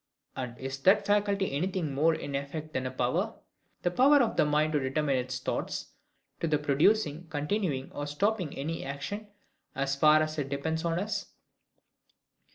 And is that faculty anything more in effect than a power; the power of the mind to determine its thought, to the producing, continuing, or stopping any action, as far as it depends on us?